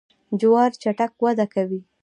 جوار چټک وده کوي.